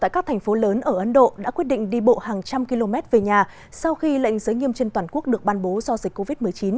các thành phố lớn ở ấn độ đã quyết định đi bộ hàng trăm km về nhà sau khi lệnh giới nghiêm trên toàn quốc được ban bố do dịch covid một mươi chín